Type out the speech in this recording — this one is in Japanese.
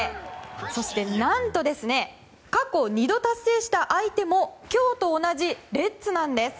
そして、何と過去２度達成した相手も今日と同じレッズなんです。